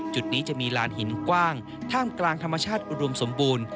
จุดนี้จะมีลานหินกว้างท่ามกลางธรรมชาติอุดมสมบูรณ์